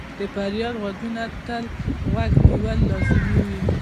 د فریاد ږغونو ته غوږ نیول لازمي وي.